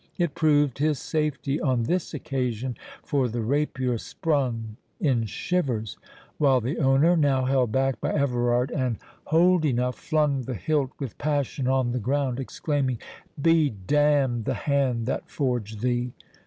It proved his safety on this occasion, for the rapier sprung in shivers; while the owner, now held back by Everard and Holdenough, flung the hilt with passion on the ground, exclaiming, "Be damned the hand that forged thee!